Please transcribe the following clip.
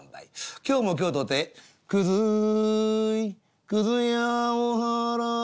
今日も今日とて「くずいくず屋おはらい」。